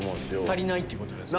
足りないっていうことですか？